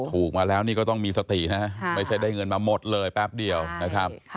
ถูกมาแล้วนี่ก็ต้องมีสตินะไม่ใช่ได้เงินมาหมดเลยแป๊บเดียวนะครับ